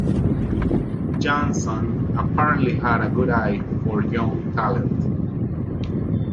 Johnson apparently had a good eye for young talent.